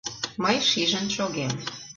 — Мый шижын шогем.